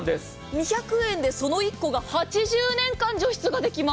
２００円でその１個が８０年間、除湿ができます。